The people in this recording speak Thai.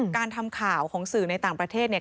การทำข่าวของสื่อในต่างประเทศเนี่ย